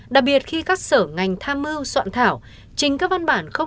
đặc biệt khi các sở ngành tham mưu soạn thảo